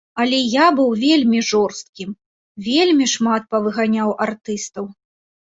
Але я быў вельмі жорсткім, вельмі шмат павыганяў артыстаў.